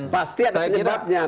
pasti ada penyebabnya